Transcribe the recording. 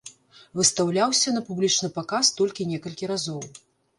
Выстаўляўся на публічны паказ толькі некалькі разоў.